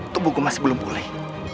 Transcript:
tubuhku masih belum pulih